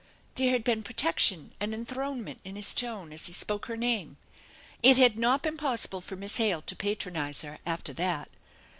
There had been protection and enthronement in his tone as he spoke her name ! It had not been possible for Miss Hale to patronize her after that.